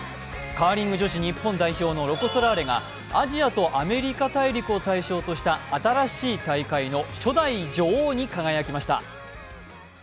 カーリング女子日本代表のロコ・ソラーレがアジアとアメリカ大陸を対象とした新しい大会の初代女王に輝きました。